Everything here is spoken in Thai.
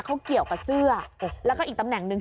เขาเกี่ยวกับเสื้อแล้วก็อีกตำแหน่งหนึ่ง